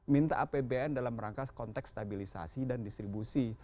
minta apbn dalam rangka konteks stabilisasi dan distribusi